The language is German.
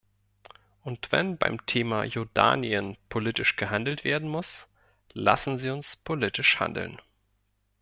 Und wenn beim Thema Jordanien politisch gehandelt werden muss, lassen Sie uns politisch handeln.